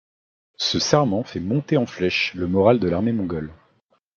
Ce serment fait monter en flèche le moral de l'armée mongole.